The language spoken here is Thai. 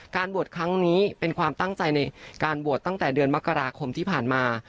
บวชครั้งนี้เป็นความตั้งใจในการบวชตั้งแต่เดือนมกราคมที่ผ่านมา